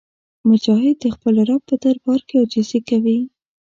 مجاهد د خپل رب په دربار کې عاجزي کوي.